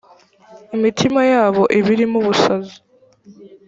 imitima yabo iba irimo ubusazi